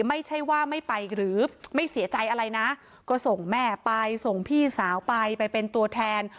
ไม่ใช่ว่าไม่ไปหรือไม่เสียใจอะไรนะก็ส่งแม่ไปส่งพี่สาวไปไปเป็นตัวแทน